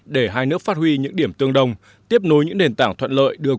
để hai nước phát huy những điểm tương đồng tiếp nối những nền tảng thuận lợi